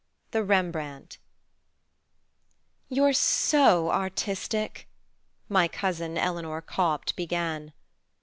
_ THE REMBRANDT "You're so artistic," my cousin Eleanor Copt began.